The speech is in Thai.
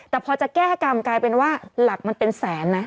แต่พอจะแก้กรรมกลายเป็นว่าหลักมันเป็นแสนนะ